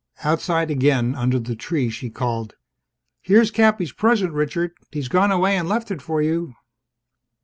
Outside again, under the tree, she called, "Here's Cappy's present, Richard. He's gone away and left it for you."